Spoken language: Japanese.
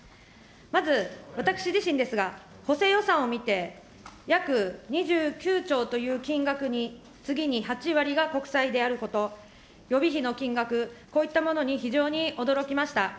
まず私自身ですが、補正予算を見て、約２９兆という金額に次に８割が国債であること、予備費の金額、こういったものに非常に驚きました。